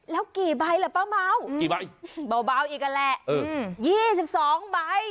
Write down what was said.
แล้วกี่ใบเหรอป้าเม้าเบาอีกอันแหละ๒๒ใบ